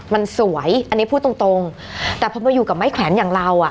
มันสวยอันนี้พูดตรงตรงแต่พอมาอยู่กับไม้แขวนอย่างเราอ่ะ